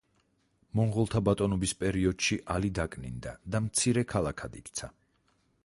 მონღოლთა ბატონობის პერიოდში ალი დაკნინდა და მცირე ქალაქად იქცა.